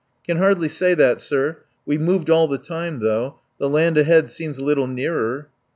"Can hardly say that, sir. We've moved all the time though. The land ahead seems a little nearer."